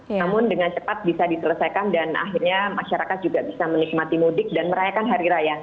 namun dengan cepat bisa diselesaikan dan akhirnya masyarakat juga bisa menikmati mudik dan merayakan hari raya